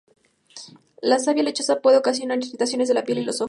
La savia lechosa puede ocasionar irritaciones de la piel y los ojos.